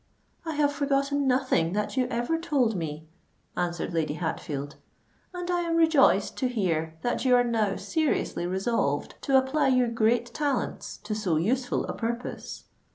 "I have forgotten nothing that you ever told me," answered Lady Hatfield; "and I am rejoiced to hear that you are now seriously resolved to apply your great talents to so useful a purpose.